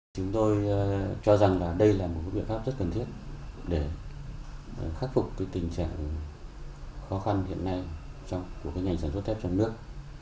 chúng tôi cho rằng đây là một biện pháp rất cần thiết để khắc phục tình trạng khó khăn hiện nay của ngành sản xuất thép trong nước